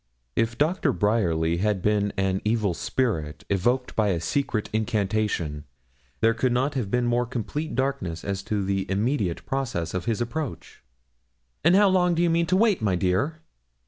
If Dr. Bryerly had been an evil spirit, evoked by a secret incantation, there could not have been more complete darkness as to the immediate process of his approach. 'And how long do you mean to wait, my dear?